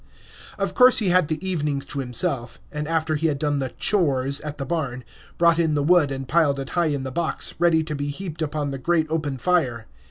Of course he had the evenings to himself, after he had done the "chores" at the barn, brought in the wood and piled it high in the box, ready to be heaped upon the great open fire.